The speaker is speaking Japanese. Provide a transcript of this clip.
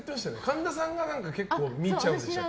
神田さんが結構見ちゃうんでしたっけ？